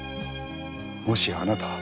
もしやあなたは。